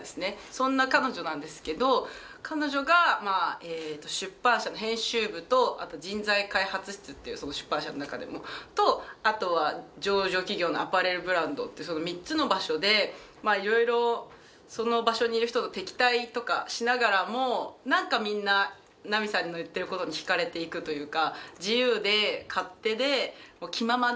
そんな彼女なんですけど彼女が出版社の編集部とあと人材開発室っていうその出版社の中でのとあとは上場企業のアパレルブランドってその３つの場所でいろいろその場所にいる人と敵対とかしながらも何かみんな奈美さんの言っていることに惹かれていくというか。